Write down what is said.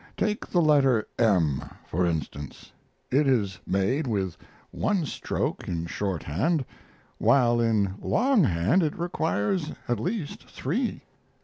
Take the letter M, for instance; it is made with one stroke in shorthand, while in longhand it requires at least three.